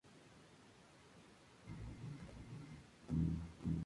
Marta, ahora frustrada y enojada, decide conducir a Francia para buscar a su hijo.